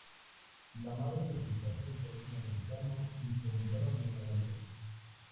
La madre se casó con un americano y se mudaron a Nueva York.